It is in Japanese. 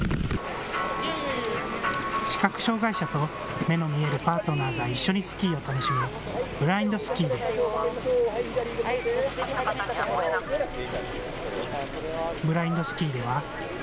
視覚障害者と目の見えるパートナーが一緒にスキーを楽しむブラインドスキーです。